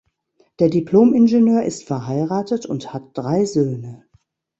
Der Diplom-Ingenieur ist verheiratet und hat drei Söhne.